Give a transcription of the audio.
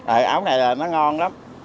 ờ ấu này nó ngon lắm